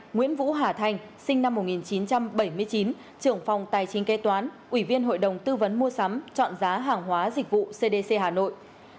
nguyễn vũ hà thanh sinh năm một nghìn chín trăm bảy mươi chín trưởng phòng tài chính kế toán ủy viên hội đồng tư vấn mua sắm chọn giá hàng hóa dịch vụ cdc hà nội